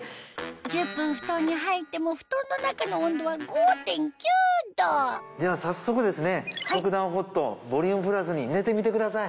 １０分布団に入っても布団の中の温度は５．９℃では早速ですね速暖Ｈｏｔボリュームプラスに寝てみてください。